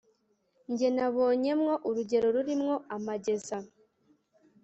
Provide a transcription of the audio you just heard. Jye nabonye mwo urugero ruri mwo amageza,